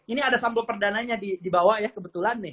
ini ada sampul perdananya di bawah ya kebetulan nih